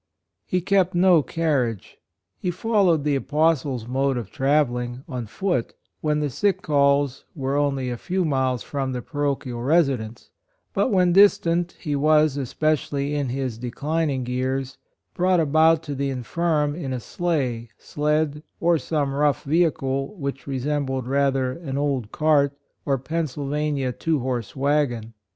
He kept no carriage. He followed the Apostle's mode of travelling — on foot — when the sick calls were only a few miles from the parochial resi dence, but when distant, he was, especially in his declining years, brought about to the infirm in a sleigh, sled, or some rough vehicle which resembled rather an old cart or Pennsylvania two horse wagon.